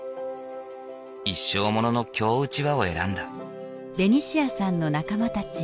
一生ものの京うちわを選んだ。